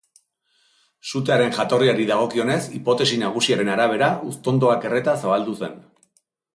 Sutearen jatorriari dagokionez, hipotesi nagusiaren arabera, uztondoak erreta zabaldu zen.